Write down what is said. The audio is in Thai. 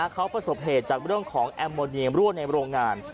เขาประสบเหตุจากเรื่องของแอมโมเนียมรั่วในโรงงาน